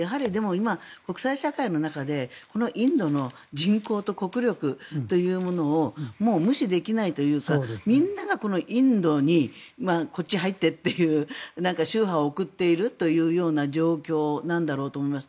今、国際社会の中でインドの人口と国力というものを無視できないというかみんながインドにこっちに入ってという秋波を送っているような状況なんだろうと思います。